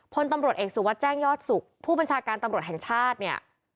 พลตำรวจเอกสุวัสดิแจ้งยอดสุขผู้บัญชาการตำรวจแห่งชาติเนี่ย